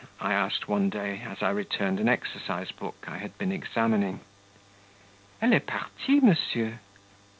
I said one day as I returned an exercise book I had been examining. "Elle est partie, monsieur."